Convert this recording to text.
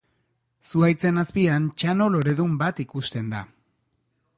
Zuhaitzen azpian txano loredun bat ikusten da.